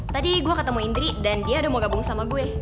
tadi gue ketemu indri dan dia udah mau gabung sama gue